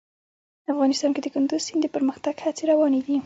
افغانستان کې د کندز سیند د پرمختګ هڅې روانې دي.